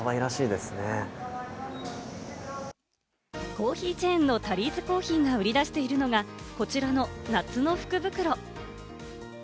コーヒーチェーンのタリーズコーヒーが売り出しているのがこちらの夏の福袋。